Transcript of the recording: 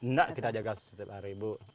nggak kita jaga setiap hari bu